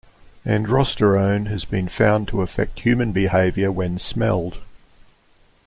Androsterone has been found to affect human behavior when smelled.